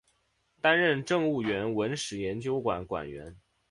担任政务院文史研究馆馆员。